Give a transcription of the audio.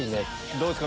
どうですか？